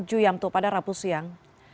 ju yamto pada rabu siang